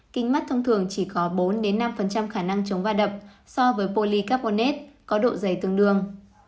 kính mắt thông thường chỉ có bốn năm khả năng chống va đập so với polycarbonate có độ dày tương đương